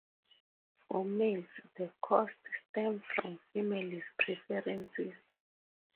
For males, the costs stem from females' preferences.